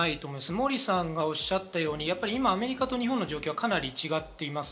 モーリーさんがおっしゃったようにアメリカと日本の今の状況はかなり違っています。